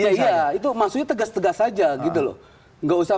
iya iya itu maksudnya tegas tegas saja gitu loh